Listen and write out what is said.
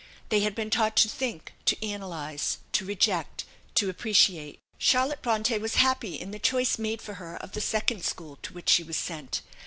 They had been taught to think, to analyse, to reject, to appreciate. Charlotte Bronte was happy in the choice made for her of the second school to which she was sent.